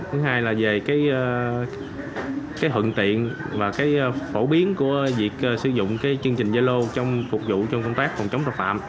thứ hai là về thuận tiện và cái phổ biến của việc sử dụng chương trình gia lô trong phục vụ trong công tác phòng chống tội phạm